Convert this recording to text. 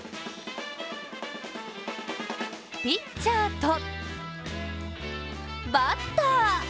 ピッチャーとバッター！